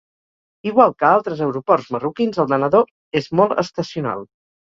Igual que altres aeroports marroquins el de Nador és molt estacional.